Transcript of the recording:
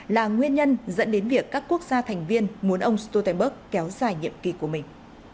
là nguyên nhân dẫn đến việc các quốc gia thành viên muốn ông stoltenberg kéo dài nhiệm kỳ của mình